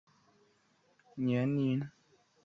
但无证件可证明她的年龄。